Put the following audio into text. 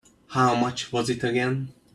How much was it again?